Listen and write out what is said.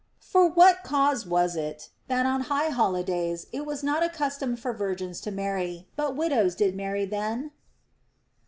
For what cause was it, that on high holi days it was not a custom for virgins to marry, but widows did marry then'?